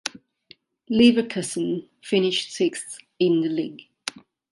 Leverkusen finished sixth in the league.